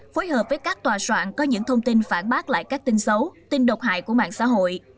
phối hợp với các tòa soạn có những thông tin phản bác lại các tin xấu tin độc hại của mạng xã hội